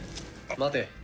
待て。